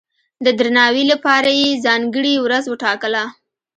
د درناوي لپاره یې ځانګړې ورځ وټاکله.